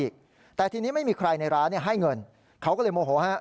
เขาก็เลยโมโห